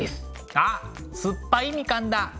あっ酸っぱいみかんだ。